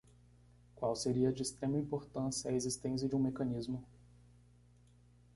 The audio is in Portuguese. qual seria de extrema importância a existência de um mecanismo